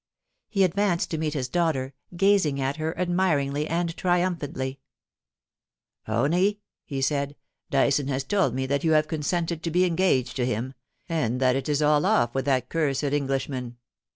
He advanced to meet his daughter, gazing at her admiringly and triumphantly. * Honie,' he said, * Dyson has told me that you have con sented to be engaged to him, and that it is all off with that cursed Englishman.